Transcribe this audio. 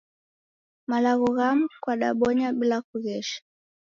Malagho ghamu kwadabonya bila kughesha